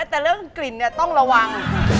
แต่เรื่องกลิ่นต้องระวัง